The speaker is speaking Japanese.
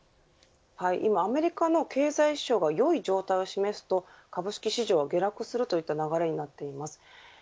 今アメリカの経済指標がよい状態を示すと株式事情は経絡するといった流れになっています。